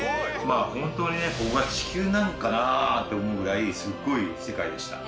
本当にここが地球なんかなって思うぐらいすごい世界でした。